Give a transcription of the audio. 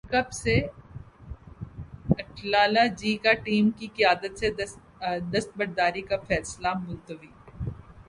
قومی team world cup سے اٹ لالہ جی کا ٹیم کی قیادت سے دستبرداری کا فیصلہ ملتوی